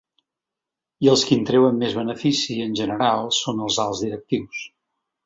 I els qui en treuen més benefici en general són els alts directius.